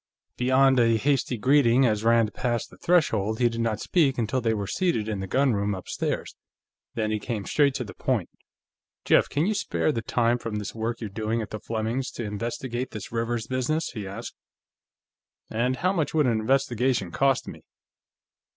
Beyond a hasty greeting as Rand passed the threshold, he did not speak until they were seated in the gunroom upstairs. Then he came straight to the point. "Jeff, can you spare the time from this work you're doing at the Flemings' to investigate this Rivers business?" he asked. "And how much would an investigation cost me?